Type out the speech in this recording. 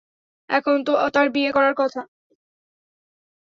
এখন তো তার বিয়ে করার কথা।